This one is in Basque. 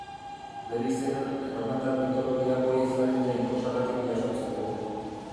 Bere izena, erromatar mitologiako ehizaren jainkosagatik jasotzen du.